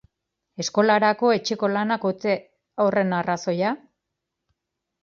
Eskolarako etxeko-lanak ote horren arrazoia?